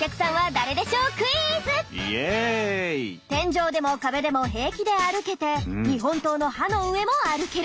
「天井でも壁でも平気で歩けて日本刀の刃の上も歩ける。